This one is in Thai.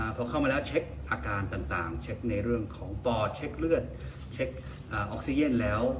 พอเข้ามาแล้วเช็คอาการต่างเช็คในเรื่องของปอเช็คเลือดเช็คออกซิเจนแล้ว